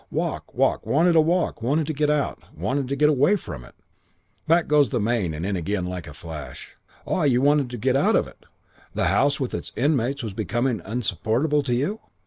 'Walk. Walk. Wanted a walk. Wanted to get out. Wanted to get away from it.' "Back goes the mane and in again like a flash: 'Ah, you wanted to get out of it? The house with its inmates was becoming insupportable to you?'